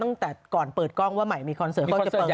นั่งเลี่ยนเต้นก่อนใช่เป็นอีกคนนึงโหสุดยอด